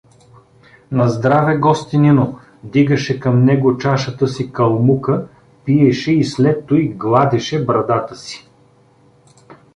Наздраве, гостенино!—дигаше към него чашата си Калмука, пиеше и след туй гладеше брадата си.